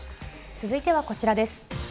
続いてはこちらです。